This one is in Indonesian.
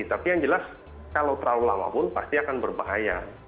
tapi yang jelas kalau terlalu lama pun pasti akan berbahaya